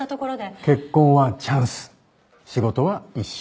結婚はチャンス仕事は一生。